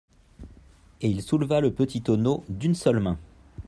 Et il souleva le petit tonneau d'une seule main.